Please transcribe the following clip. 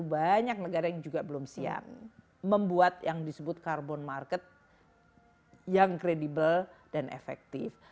banyak negara yang juga belum siap membuat yang disebut carbon market yang kredibel dan efektif